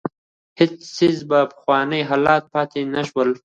هېڅ څېز په پخواني حالت پاتې نه شول.